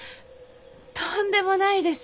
とんでもないです。